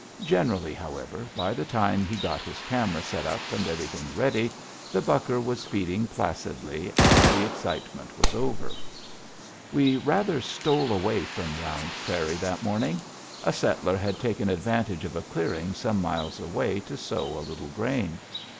Generally, however, by the time he got his camera set up and everything ready, the bucker was feeding placidly and the excitement was over. We rather stole away from Round Prairie that morning. A settler had taken advantage of a clearing some miles away to sow a little grain.